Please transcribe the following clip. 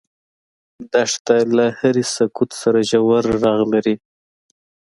دښته له هرې سکوت سره ژور غږ لري.